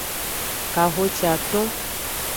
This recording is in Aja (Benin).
Kahiciaton.